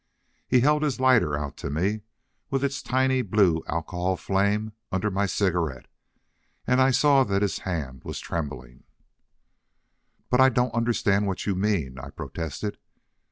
He held his lighter out to me, with its tiny blue alcohol flame under my cigarette. And I saw that his hand was trembling. "But I don't understand what you mean," I protested.